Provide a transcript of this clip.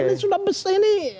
ini sudah besar ini